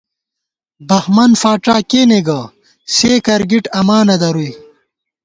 بہمن فاڄا کېنےگہ، سے کرگِٹ اماں نہ درُوئی